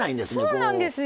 そうなんですよ。